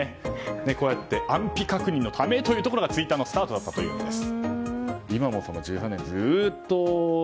こうやって安否確認のためというところがツイッターのスタートだったということです。